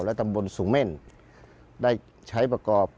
และตามบนสุโม่นได้ใช้ประกอบ